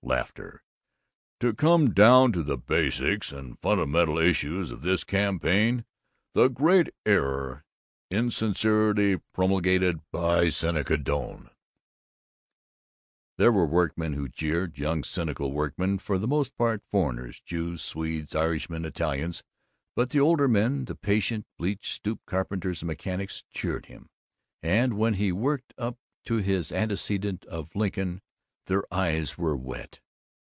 To come down to the basic and fundamental issues of this campaign, the great error, insincerely promulgated by Seneca Doane " There were workmen who jeered young cynical workmen, for the most part foreigners, Jews, Swedes, Irishmen, Italians but the older men, the patient, bleached, stooped carpenters and mechanics, cheered him; and when he worked up to his anecdote of Lincoln their eyes were wet.